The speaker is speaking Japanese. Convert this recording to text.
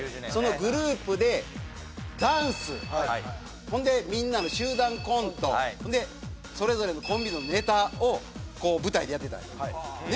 そのグループでダンスほんでみんなの集団コントでそれぞれのコンビのネタを舞台でやってたんよ